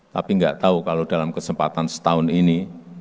tapi nggak tahu kalau dalam kesempatan setahun ini